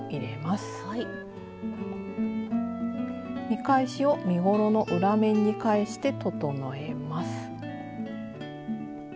見返しを身ごろの裏面に返して整えます。